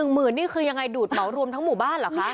หมื่นนี่คือยังไงดูดเหมารวมทั้งหมู่บ้านเหรอคะ